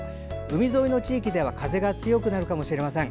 海沿いの地域では風が強くなるかもしれません。